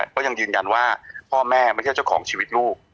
ก็ยังยืนยันว่าพ่อแม่ไม่ใช่เจ้าของชีวิตลูก